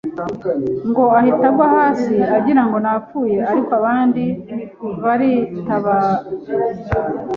ngo ahita agwa hasi agirango napfuye ariko abandi baritaba